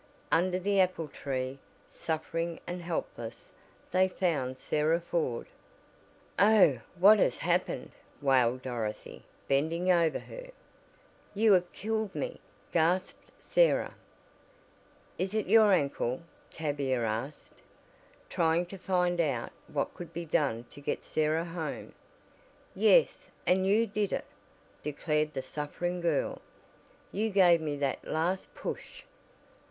Under the apple tree, suffering and helpless, they found Sarah Ford. "Oh, what has happened!" wailed Dorothy, bending over her. "You have killed me!" gasped Sarah. "Is it your ankle?" Tavia asked, trying to find out what could be done to get Sarah home. "Yes, and you did it!" declared the suffering girl. "You gave me that last push.